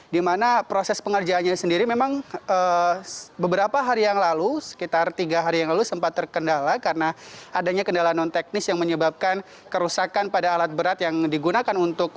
di mana proses pengerjaannya sendiri memang beberapa hari yang lalu sekitar tiga hari yang lalu sempat terkendala karena adanya kendala non teknis yang menyebabkan kerusakan pada alat berat yang digunakan untuk